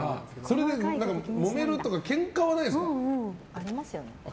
それで、もめるとかけんかはないですか？